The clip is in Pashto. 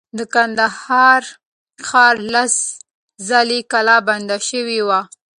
د کندهار ښار لس ځله کلا بند شوی و.